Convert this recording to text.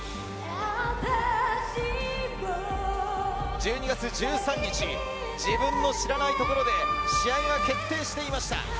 １２月１３日自分の知らないところで試合が決定していました。